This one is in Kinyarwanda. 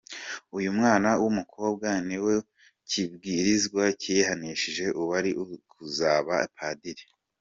Uyu mwana w’umukobwa, ni we kibwirizwa cyihanishije uwari kuzaba padiri.